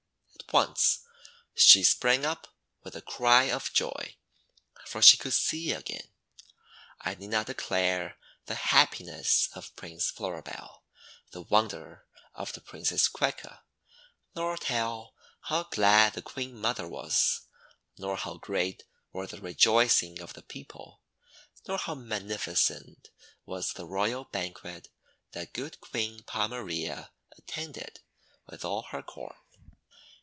At once she sprang up with a cry of joy, for she could see again. I need not declare the happiness of Prince Floribel, the wonder of the Princess Coeca, nor tell how glad the Queen mother was, nor how great were the rejoicings of the people, nor how magnificent was the royal banquet that good Queen Pomarea attended with all her Court.